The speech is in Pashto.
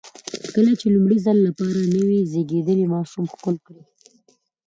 کله چې د لومړي ځل لپاره نوی زېږېدلی ماشوم ښکل کړئ.